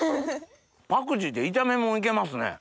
パクチーって炒めもんいけますね。